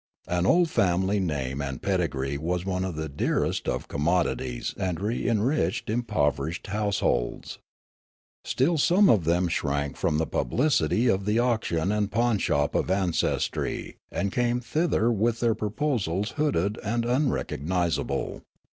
An old family name and pedigree was one of the dearest of commod ities and re enriched impoverished households. Still some of them shrank from the publicity of the auction and pawnshop of ancestry and came thither with their proposals hooded and unrecognisable.